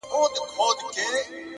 خپل ژوند د ارزښت وړ اثر وګرځوئ،